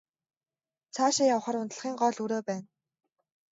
Цаашаа явахаар унтлагын гол өрөө байна.